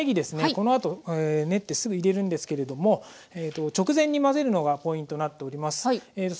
このあと練ってすぐ入れるんですけれども直前に混ぜるのがポイントになっております。